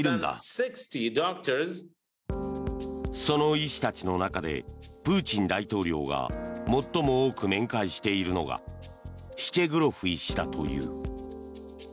その医師たちの中でプーチン大統領が最も多く面会しているのがシチェグロフ医師だという。